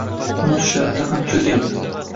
Uni tushlarimda ham ko‘rganman.